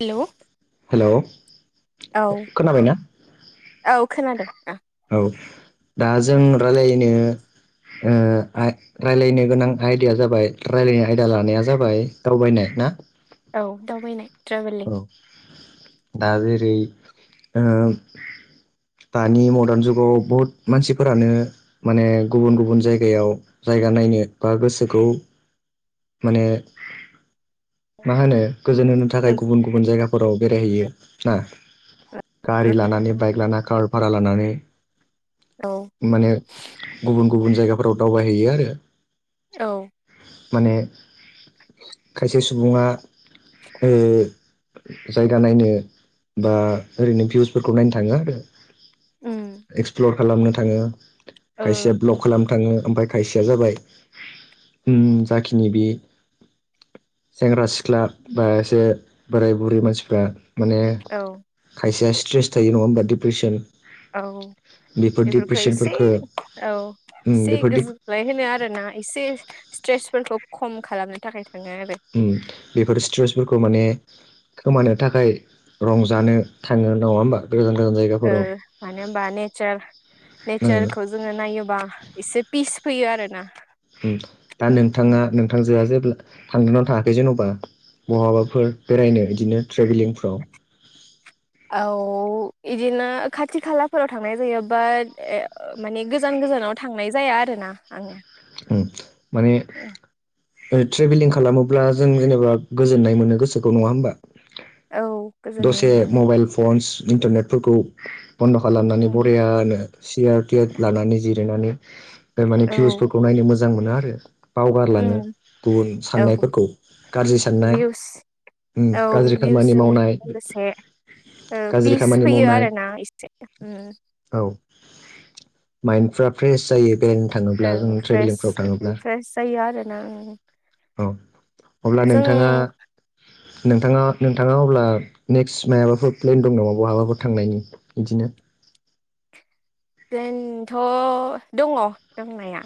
हेल' हेल' औ औ खोनादों। ओ औ दा जों रायलायनो [inaudible] ओ राय्लायनो गोनां आयदाया जाबाय रायलायनाय आयदा लानाया जाबाय दावबायनाय ना औ दावबायनाय ट्रेभेलिं औ दा जेरै दानि मडार्न जुगाव बुहुत मानसिफोरानो माने गुबुन गुबुन जायगायाव जाय जायगा नायनो बा गोसोखौ माने मा होनो गोजोन होनो औ थाखाय गुबुन गुबुन जायगाफोराव बेरायहैयो ना गारि लानानै बाइक लाना कार भारा लानानै माने गुबुन गुबुन जायगाफोराव दावबायहैयो आरो औ माने खायसे सुबुङा जायगा नायनो बा ओरैनो भिउसफोरखौ नायनो थाङो आरो उम एक्सप्लर खालामनो थाङो ओ औ खायसेया ब्लग खालामनो थाङो ओमफ्राय खायसेया जाबाय जाखिनि बे सेंग्रा सिख्ला बा एसे बोराय बुरै मानसिफ्रा माने औ खायसेया स्ट्रेस थायो नङा होमबा डिप्रेसन औ बेफोर बेफोरखौ एसे डिप्रेसनफोरखो औ उम एसे बेफोर गोजोनलाय होनो आरोना एसे स्ट्रेसफोरखौ खम खालामनो थाखाय थाङो आरो उम बेफोर स्ट्रेसफोरखौ माने खोमानो थाखाय रंजानो थाङो नङा होमबा गोजान गोजान ओ जायगाफोराव मानो होनबा नेचार ओ नेचारखौ जोङो नायोबा एसे पिस फैयो आरोना उम दा नोंथाङा नोंथांजोआ जे थांनानै थाङाखै जेन'बा बहाबाफोर बेरायनो बिदिनो औ इदिनो खाथि खालाफोराव थांनाय जायो बाद एह ओ माने गोजान गोजानाव थांनाय जाया आरो ना ना आङो उम माने ओ ट्रेभेलिं खालामोब्ला जों जेनेबा गोजोननाय मोनो गोसोखौ नङा होमबा औ गोजोननाय दसे मोनो दा मबाइल फन्स इन्टारनेटफोरखौ बन्द' खालामनानै उम बरेयानो सियार थियार लानानै जिरायनानैमाने औ फिउस मोजां मोनो आरो बावगारलाङो उम गुबुन औ साननायफोरखौ गाज्रि साननाय भिउस उम औ गाज्रि खामानि भिउसजों मावनाय लोगोसे ओ गाज्रि पिस खामानि फैयो मावनाय आरोना इससे उम औ माइन्डफ्रा फ्रेश जायो बेन ब्ला औ जों फ्रेस ट्रेभेलिंफ्राव थाङोब्ला फ्रेस जायो आरोना उम औ अब्ला जों नोंथाङा ओरैनोथ' नोंथाङा नोंथाङा अब्ला नेक्स्ट मायाबाफोर प्लेन दं नामा बहाबाफोर थांनायनि बिदिनो [unintelligible] प्लेनथ' दङ दंनाया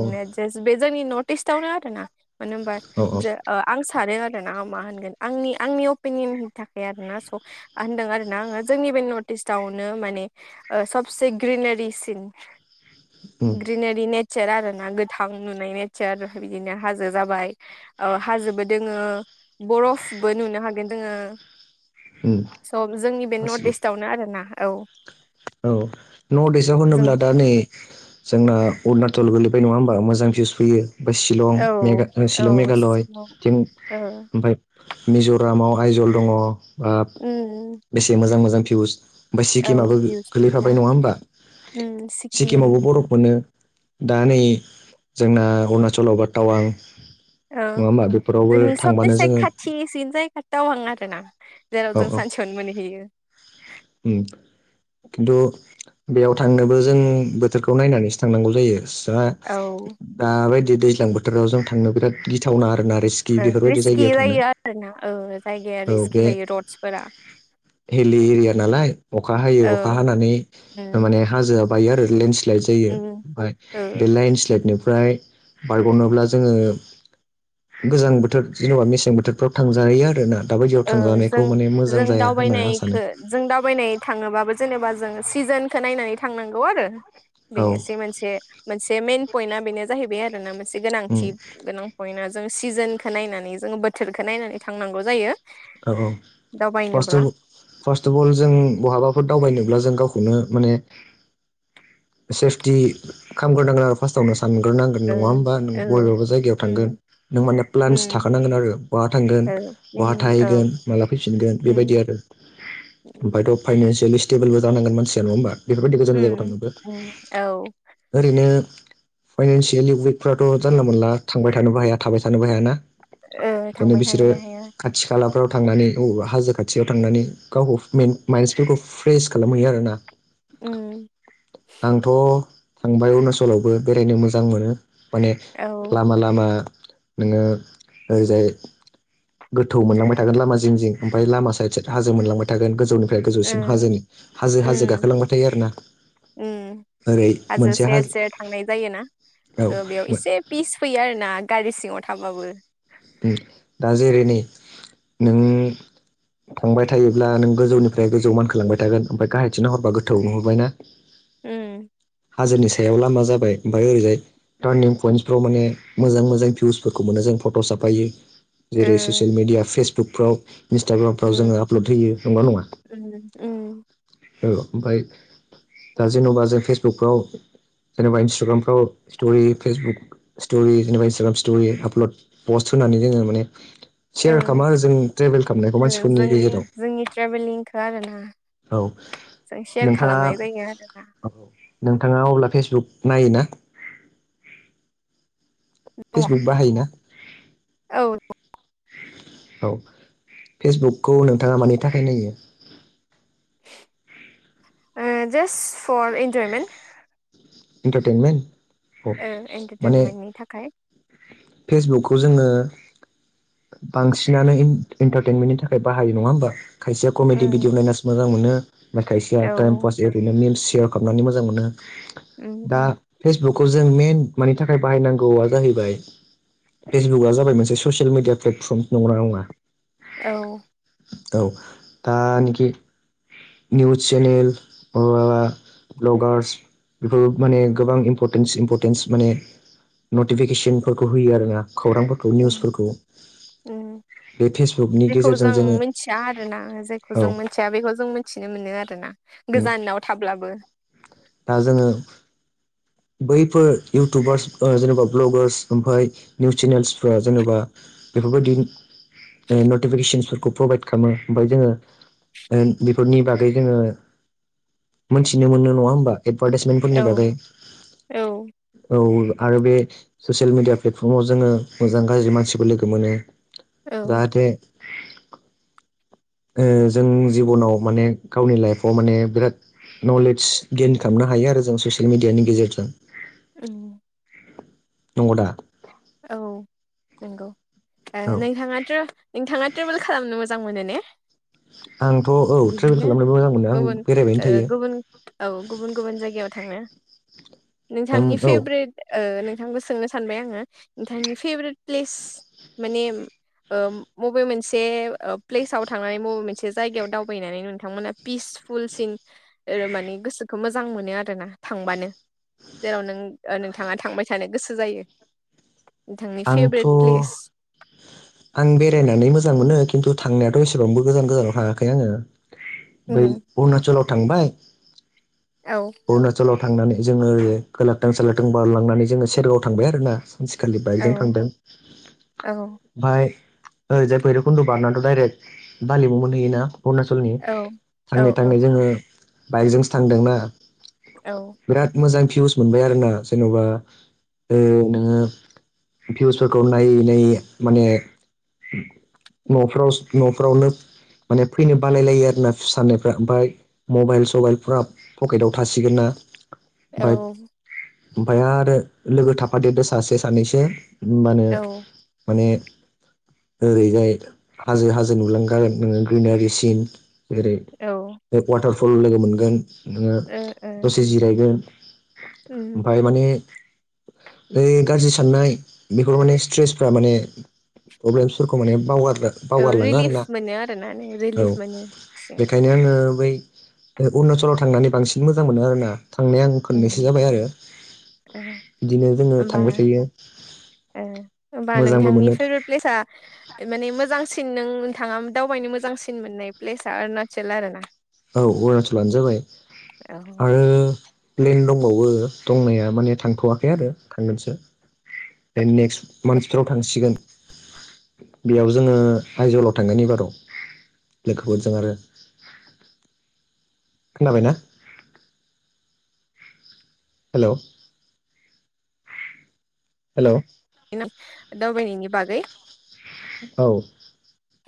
औ जास्ट बे जोंनि नर्थ- टिस्टआवनो आरोना मानो होमबा औ औ जो ओ आं थारो आरोना मा होनगोन आंनि आंनि अपिनियननि थाखाय आरोना स होनदों आरोना आङो जोंनि बे नर्थइस्टावनो माने ओ सब से ग्रिनारि सिन उम ग्रिनेरि नेथ चार आरो ना गोथां नुनाय नेचार बिदिनो हाजो जाबाय ओ हाजोबो दोङो बरफबो नुनो हागोन जोङो उम सब जोंनि बे नर्थ गासिबो इस्टवनो आरोना औ औ नर्थ इस्टव जों होनोब्ला दा नै जोंना अरुना- सल गोलैबाय नङा होमबा मोजां भिउस फैयो फा शिलं औ मेघा ओ औ शिलं मेघालय सिङाव थिं ओ ओमफाय मिजरामाव आइजल दङ ओ उम बेसे मोजां मोजां भिउस ओमफाय औ सिक्किमाबो गो दा गोलैफाबाय नङा हबा उम सिक्किम सिक्किमावबो बरफोरनि ओ दा नै जोंना अरुणचलाव बा टावां औ नङा होमबा बे जोंनि सबनिफ्राय खाथिसिन जायगा दावां आरो ना औ जेराव जों औ सानसेयावनो मोनहैखायो । उम [inaudible] खिन्थु बेयाव थांनोबो जों बोथोरखौ नायनानैसो थांनांगौ जायो। दा औ दाबायदि दैज्लां बोथोराव जों थांनो बिराद गिथावना आरोना रिस्कि ओ बेफोरबायदि रिस्कि जायगायाव थांनो जायो आरो ना ओ जायगाया औ रिस्कि बे जायो रडसफोरा । हिलि एरिया नालाय अखा ओ हायो अखा हानानै उम माने हाजोआ बायो आरो लेन्ड स्लाइ जायो उम ओमफाय ओ बे लाइन्सलाइटनिफ्राय बारगनोब्ला जोङो गोजां बोथोर जेनबा मेसें बोथोरफ्राव थांजाहैयो आरोना । ओ जों जों होननानै आं सानो दावबायनायखो जों दावबायनाय थाङोबाबो जेनेबा जों सिजोनखो नायनानै थांनांगौ आरो बे औ एसे मोनसे मोनसे बे मेन पइन्टआ बेनो जाहैबाय आरो ना मोनसे उम गोनांथि गोनां पयन्टआ जों सिजोनखो नायनानै जोङो बोथोरखो नायनानै थांनांगौ जायो । औ फर्स्टगु फार्स्ट अल जों बहाबाफोर दावबायनोब्ला जों गावख खौनो माने सेस्टि खामग्रो नांगोन आरो फासटावनो आनग्रोनांगोन ओ नङा होमबा नों ओ बबेबा जायगायाव उम थांगोन नों माने प्लान्स उम थाखानांगोन आरो बाहा थांगोन ओ बहा प्लेनिं औ ओइगोन माला फैफिनगोन बे उम बायदि आरो ओमफायथ फायनोसै लिस्ट टेबोलबो जानांगोन मानसिया नङा होमबा बेफोरबायदि गोजान जायगायाव उम थांनोबो उम औ ओरैनो फाइनान्सियेलि उइकफ्राथ जानला मोनला थांबाय थानोबो हाया थाबाय थानोबो हायाना ओ थांबाय थानोबो हाया । खाथि खालाफ्राव थांनानै औ हाजो खाथियाव थांनानै गावखौ माइन्ड फोरखौ फ्रेस खालामहैयो आर ना। उम थांबाय अरुणाचलावबो बेरायनो मोजां मोनो माने औ ओ लामा-लामा नोङो ओरैजाय गोथौ मोनलांबाय थागोन लामा जिं-जिं ओमफ्राय लामा सायेद-सायेद हाजो मोनलांबाय थागोन गोजौनि गोजौसिन हाजोनि हाजो-हाजो उम गाखोलांबाय थायो आरो ना। उम हाजो सेर-सेर थांनाय जायो ना। औ ओ बेयाव एसे पिस फैयो आरो ना गारि सिङाव थाबाबो। दा जेरै नै नोङो थांबाय थायोब्ला नों गोजौनिफ्राय गोजौ मानखोलांबाय थागोन ओमफ्राय गाहायथिं नायहरबा गोथौआव नुहरबायना। उम हाजोनि सायाव लामा जाबाय ओमफ्राय ओरैजाय टारनिं पयेन्टफ्राव माने मोजां-मोजां भिउसफोरखौ मोनो जों फट‌ साप फायो ओ जेरै ससियेल मिडिया फेसबुकफ्राव इन्स्टाग्रामफ्राव जोङो उम आपलड होयो नंगौ ना उम उम नङा औ ओमफ्राय दा जेनबा जों फेसबुकफ्राव जेनेबा इन्स्टाग्रामफ्राव स्टरि फेसबुक स्टरि जेनेबा इन्स्टाग्राम स्टरि आपलद पस्ट होनानै जोङो माने ओ सेयार खालामनाहो जोंनि ट्रेभेल खालामनायखौ ओ मानसिफोरनि जोंनि गेजेराव। जोंनि ट्रेभेलिंखौ आरोना औ जों सेयार नोंथाङा खालामनाय जायो आरोना औ नोंथाङा अब्ला फेसबुक नायो ना? दङ फेसबुक बाहायोना? औ। औ फेसबुकखौ नोंथाङा मानि थाखाय नायो? ओ जासट फार एन्टारमेन्ट। इन्टारटेनमेन‌ औ माने एन्टारटेनमेन्टनि थाखाय फेसबुकखौ जों जोङो बांसिनानो एन्टारटेनमेन्टनि थाखाय बाहायो नङा होमबा? खायसेया कमेदि भिदिअ उम नायना मोजां मोनो ओमफ्राय खायसेया औ टाइम पास ओरैनो मेमस भिदिय'खालामनानै मोजां मोनो उम दा उम फेसबुक खौ जों मेन मानि थाखाय बाहायनांगौआ जाहैबाय फेसबुकआ जाबाय मोनसे ससियेल मिडिया प्लेट फर्म नंगौ ना नङा? औ। औ दा निखि निउस चेनेल ओ ब्लगार्स बेफोर माने गोबां इम्परटेन्स-इम्परटेन्स माने नटिफिकेसनफोरखौ होयो आरो ना। खौरांफोरखौ उम निउसफोरखौ। उम बे फेसबुकनि जेखौ गेजेरजों जों जोङो मिथिया आरोना जेखौ औ जों मिथिया बेखौ जों मिथिनो मोनो आरो ना। दा गोजानाव थाब्लाबो। जोङो बैफोर इउटुबार्स जेनेबा ब्लगार्स ओमफ्राय निउस चेनेलफोरा जेनेबा बेफोरबायदि नटिफिकेसनसफोरखौ प्रभाइद खालामो ओमफ्राय जोङो बेफोरनि बागै जोङो मोनथिनो मोनो नङा होमबा? औ एडभाटेसमेन्टफोरनि बागै औ। औ आरो बे ससियेल मिडिया प्लेटफर्माव जोङो मोजां गाज्रि मानसिफोर लोगो मोनो। औ जाहाथे [inaudible] ओ जोंनि जिबनाव माने गावनि लायेफआव माने बिराद नलेस गेइन खालामनो हायो आरो जों ससियेल मिदियानि गेजेरजों। औ। नंगो दा? औ नंगौ ओ औ नोंथाङा थ' नोंथाङाथ' [unintelligible] मोजां मोनो ने? [unintelligible] ट्रेभेल बिदिनो खालामनोबो मोजां मोनो आं गुबुन बेरायबायनो ओ थायो गुबुन ओ गुबुन गुबुन जायगायाव थाङो ओं नोंथांनि औ फेब्रेथ ओ नोंथांखौ सोंनो सानबाय आङो। नोंथांनि फेब्रेथ प्लेस माने ओ मबे मोनसे प्लेस आव थांनानै मबे मोनसे जायगायाव दावगानानै नोंथांमोना फिस फुलसिन माने गोसोखो मोजां मोनो आरो ना थांबानो। जेराव नों नोंथाङा थांबाय थानो गोसो जायो। नोंथांनि आंथ' फेभरेट प्लेस आं बेरायनानै मोजां मोनो खिन्थु थांनायाथ' एसेबांबो गोजान गोजानाव थाङाखै आङो उम बै अरुणाचलाव थांबाय। औ अरुणाचलाव थांनानै जोङो खालागथां सलाखथां बारलांनानै जोङो सेरगाव थांबाय आरोना। सानसेखालि औ बाइकजों थांदों औ ओमफाइ ओ रैजाय भैरबखुन्द' बारनाथ' डाइरेक्ट बालिगाव मोनहैयोना? अरुणाचलनि औ थाङै औ थाङै जोङो बाइकजोंसो थांदोंना। औ बिराद मोजां बिउस मोनबाय आरोना सोरनाबा ओ नोङो भिउसफोरखौ नायै नायै माने न'फ्राव न'फ्रावनो माने फैनो बालाय लायो आरो ना साननायफ्रा ओमफाय मबाइल सबाइल फुरा फकेट आव थासिगोन ना? औ ओमफ्राय आरो लोगो थाफादेरदो सासे सानैसो। औ ओरैजाय हाजो हाजो नुलाग्रां ग्रिनारि सिन। जेरै ओ बे वाटारफल लोगो मोनगोन। ओ दसे जिरायगोन उम ओमफफ्राय माने। बे गाज्रि साननाय बिफोर माने स्ट्रेसफ्रा माने। प्रब्लेमस फोरखौ माने बावगारो। औ बावगारलाङो रिलिफ आरोना मोनो आरोना औ रिलिफ मोनो एसे बेनिखायनो आङो। बै अरुणाचलाव थांनानै बांसिन मोजां मोनो आरोना। थांनाया आं उम खोननैसो जाबाय आरो ओ बिदिनो जोङो थांबाय थायो। ए होमबा मोजांबो नोंथांनि मोनो औ फेभरेट प्लेस माने मोजांसिन। नों नोंथाङा दावबायनो मोजांसिन मोननाय प्लेस आ अरुणाचल आरो ना? औ अरुणचलानो जाबाय औ आरो। प्लेन दंबावो दंनाया माने थांथ'वाखै आरो थांगोनसो। नेक्स्ट मान्थआव थांसिगोन। [unintelligible] [inaudible] खोनाबायना। हेल'। हेल'। [unintelligible]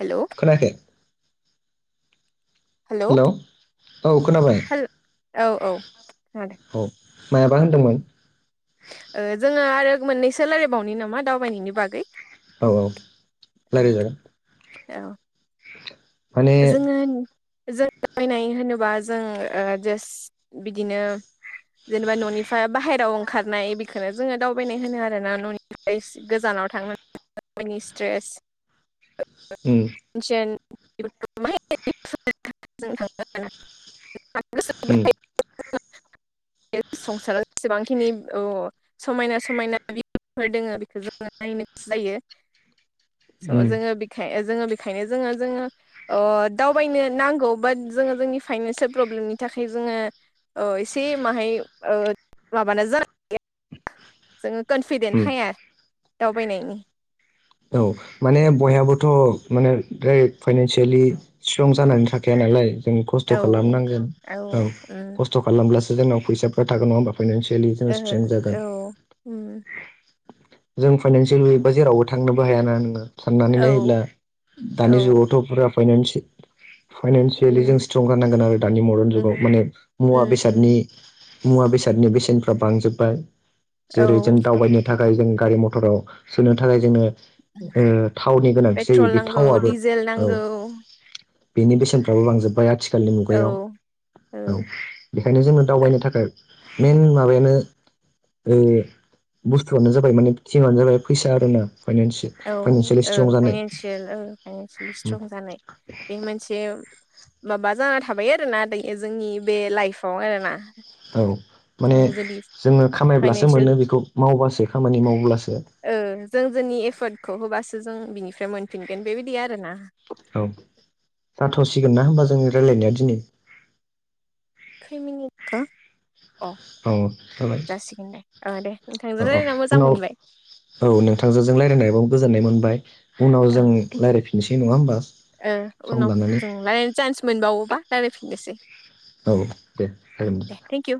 हेलौ हेलौ हेल' औ खोनाबाय। हेल औ औ [unintelligible] [unintelligible] जोङो आरो मोननैसोलायबावनो नामा दावबायनायनि बागै। औ औ [unintelligible] औ। माने जोङो। जों थाबानाय होनोबा जों जास्ट बिदिनो। जेनेबा न'निफ्राय बाहेरायाव ओंखारनाय बेखौनो जोङो दावबायनाय होनो आरोना न'निफ्राय गोजानाव। थ गयनि स्ट्रेस [inaudible] उम ज जों था [inaudible] उम [unintelligible] बे संसाराव जेसेबांखिनि समायना समायना। फोर दोङ बेखौ जो नायनो गोसो जायो स उम जोङो बेखाय जोङो। ओखायनो जोङो जोङो दावबायनो नांगौ बाट जोङो जोंनि फाइनान्सियेल प्रब्लेमनि थाखाय जों। एसे माहाय माबा। जोङो उम कनफिदेन्ट हाया दावबायनायनि। औ माने बयहाबोथ' माने जेरै फाइनानसियेलि स्ट्रं जानानै थाखाया नालाय। जों खस्थ' औ खालामनांगोन औ खस्थ' खालामब्लासो जोंनाव फैसाफ्रा थागोन नङा होमबा। फाइनान्सियेलि जोंङो ओहो स्ट्रं औ जागोन। उम जों फाइनानसियलि उइक बा जेरावबो थांनोबो हायाना नोंथां। साननानै औ नायोब्ला औ दानि जुगावथ' फुरा फाइनानसियेल। फाइनान्सियेलि जों उम स्ट्रं जानांगोन आरो दानि मदार्न जुगाव माने उम मुवा उम बेसादनि। उम मुवा बेसादनि बेसेनफ्रा बांजोबबाय औ जेरै जों दावबायनो थाखाय। ओमफ्राय जोंनो गारि मथराव सोनो थाखाय जोङो। थावनि गोनांथि जायो पेट्रल बे नांगौ थावआबो डिजेल औ। नांगौ बेनि बेसेनफ्राबो बांजोब्बाय आथिखालनि औ मुगायाव ओ औ बेखायनो जोंङो दावबायनो थाखाय। नों माबेनो। बुस्थुआनो जाबाय माने जमआानो जाबाय फैसा आर ना [inaudible] [unintelligible] औ औ फाइनन्सियेल औ फाइनन्सियेलि स्ट्रं जानाय बे मोनसे माबा जाना थाबाय आरोना जोंनि बे लाइफआव आरोना औ माने जोङो जुदि जोङो खामायब्लासो फाइनान्सियेल मोनो बेखौ मावबासो खामानि मावब्लासो जों जोंनि एफर्टखौ होबासो जों बिनिफ्राय मोनफिनगोन बेबायदि आरो ना औ जाथ'सिगोन ना होमबा जोंनि रायलायनाया दिनै मिनि [inaudible] [unintelligible] अ औ जाबाय जासिगोन दे दे नोंथांजों औ औ रायज्लायना मोजां उनाव मोनबाय औ नोंथांजों जों रायल्लायनानैबो बो गोजोननाय मोनबाय उनाव औ जों रायज्लायफिननोसै नङा होमबा सम उनाव लानानै जों रायलायनो चान्स मोनबावोबा रायज्लायफिननोसै औ दे जागोन दे थेंक इउ